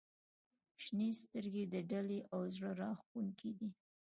• شنې سترګې د دلې او زړه راښکونکې دي.